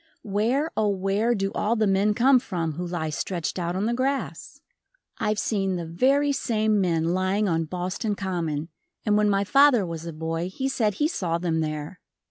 Where, oh where, do all the men come from who lie stretched out on the grass? I've seen the very same men lying on Boston Common, and when my father was a boy he said he saw them there.